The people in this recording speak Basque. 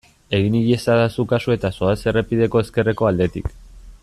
Egin iezadazu kasu eta zoaz errepideko ezkerreko aldetik.